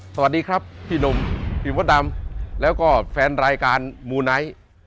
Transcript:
สวัสดีครับพี่หนุ่มพี่มดดำแล้วก็แฟนรายการมูไนท์